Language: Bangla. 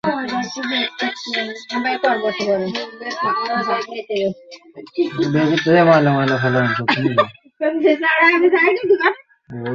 কিন্তু দণ্ডের ভয় মাথার উপর ঝুলতে লাগল।